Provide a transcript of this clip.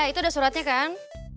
itu udah suratnya kan